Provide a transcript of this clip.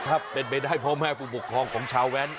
ถ้าเป็นไม่ได้เพราะแม่ภูมิบัคคลองของชาวแวน